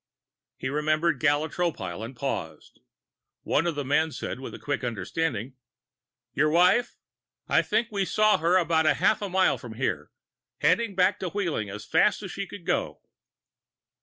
He remembered Gala Tropile and paused. One of the men said with quick understanding: "Your wife? I think we saw her about half a mile from here. Heading back to Wheeling as fast as she could go."